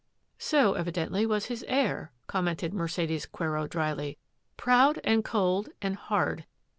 " So, evidently, was his heir," commented Mer cedes Quero dryly ;^^ proud and cold and hard.